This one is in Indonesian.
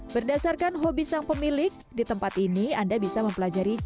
berdasarkan hobi sang pemilik di tempat ini anda bisa mempelajari